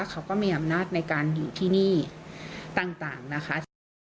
เขาก็มีอำนาจในการอยู่ที่นี่ต่างนะคะ